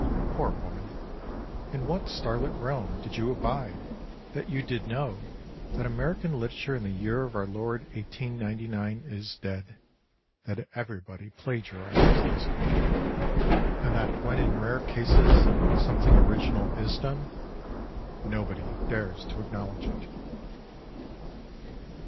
(Poor woman, in what starlit realm did 3^ou abide, that you did know that American literature in the year of our Ford 1899 is dead, that everybody plagarizes in this country ; 26 and that when in rare cases, something original is done, nobody dares to acknowledge it.)